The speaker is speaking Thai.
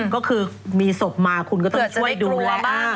ก็คือมีศพมาคุณก็ต้องช่วยดูว่า